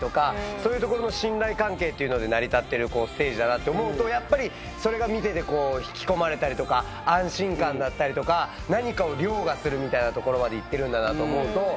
そういうところの信頼関係で成り立ってるステージだと思うとそれが見てて引き込まれたり安心感だったりとか何かを凌駕するみたいなところまでいってるんだと思うと。